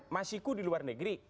masiku di luar negeri